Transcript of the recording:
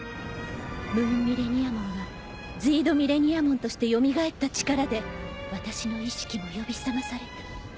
ムーンミレニアモンはズィードミレニアモンとして蘇った力で私の意識も呼び覚まされた。